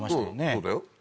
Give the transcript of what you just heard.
そうだよ。